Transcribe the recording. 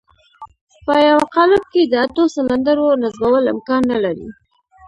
په يوه قالب کې د اتو سلنډرو نصبول امکان نه لري.